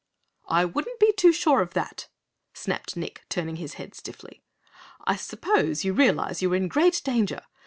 "I wouldn't be too sure of that," snapped Nick, turning his head stiffly. "I suppose you realize you are in great danger?